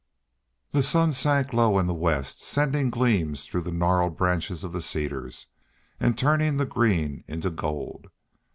The sun sank low in the west, sending gleams through the gnarled branches of the cedars, and turning the green into gold.